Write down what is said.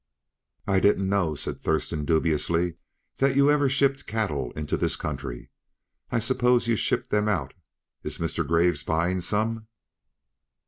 "I didn't know," said Thurston dubiously, "that you ever shipped cattle into this country. I supposed you shipped them out. Is Mr. Graves buying some?"